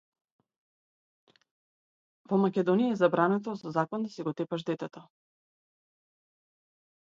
Во Македонија е забрането со закон да си го тепаш детето.